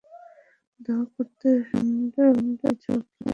দোয়া করতে শুনলেও কি বাগড়া দিবে?